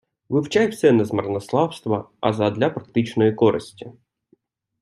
Вивчай все не з марнославства, а задля практичної користі.